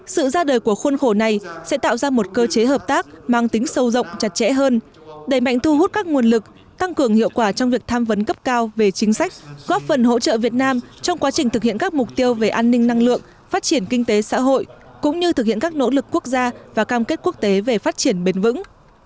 sự ra đời của khuôn khổ này sẽ tạo ra một cơ chế hợp tác mang tính sâu rộng chặt chẽ hơn đẩy mạnh thu hút các nguồn lực tăng cường hiệu quả trong việc tham vấn cấp cao về chính sách góp phần hỗ trợ việt nam trong quá trình thực hiện các mục tiêu về an ninh năng lượng phát triển kinh tế xã hội cũng như thực hiện các nỗ lực quốc gia và cam kết quốc tế về phát triển bền vững